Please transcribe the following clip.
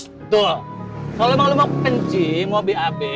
betul kalo emang lu mau ke kencing mau bab